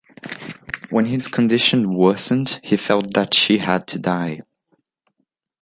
When his condition worsened, he felt that she had to die.